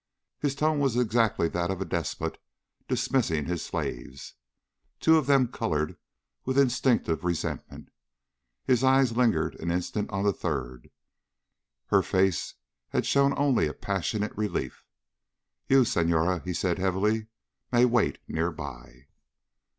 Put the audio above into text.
His tone was exactly that of a despot dismissing his slaves. Two of them colored with instinctive resentment. His eyes lingered an instant on the third. Her face had showed only a passionate relief. "You, Senhora," he said heavily, "may wait nearby."